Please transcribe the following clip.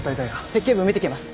設計部見てきます。